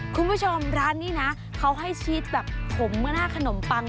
คุณผู้ชมร้านนี้นะเขาให้ชีสแบบผมเมื่อหน้าขนมปัง